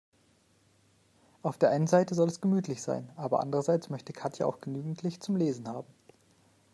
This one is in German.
Auf der einen Seite soll es gemütlich sein, aber andererseits möchte Katja auch genügend Licht zum Lesen haben.